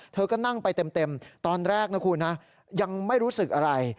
เธอก็นั่งไปเต็มตอนแรกนะคุณนะยังไม่รู้สึกอะไร